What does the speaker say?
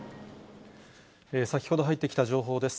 先ほど入ってきた情報です。